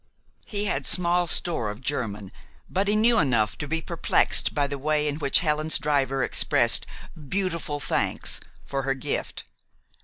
He had small store of German, but he knew enough to be perplexed by the way in which Helen's driver expressed "beautiful thanks" for her gift.